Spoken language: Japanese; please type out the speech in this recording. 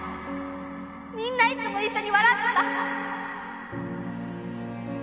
みんないつも一緒に笑ってた。